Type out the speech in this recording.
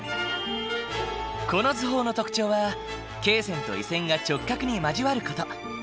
この図法の特徴は経線と緯線が直角に交わる事。